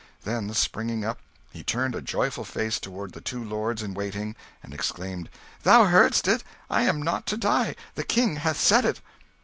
Then springing up, he turned a joyful face toward the two lords in waiting, and exclaimed, "Thou heard'st it! I am not to die: the King hath said it!"